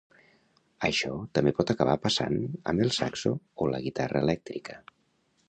Això també pot acabar passant amb el saxo o la guitarra elèctrica.